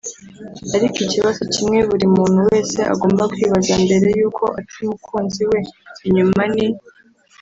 ariko ikibazo kimwe buri muntu wese agomba kwibaza mbere yuko aca umukunzi we inyuma ni